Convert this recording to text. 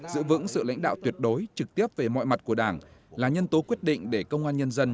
giữ vững sự lãnh đạo tuyệt đối trực tiếp về mọi mặt của đảng là nhân tố quyết định để công an nhân dân